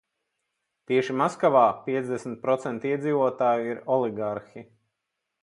Tieši Maskavā piecdesmit procenti iedzīvotāju ir oligarhi.